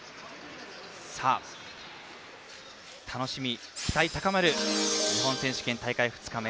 楽しみ、期待高まる日本選手権大会２日目。